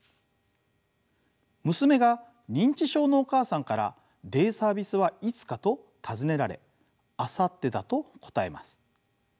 娘が認知症のお母さんからデイサービスはいつかと尋ねられ明後日だと答えます。